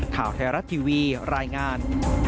ข่าวไทยรัฐทีวีรายงาน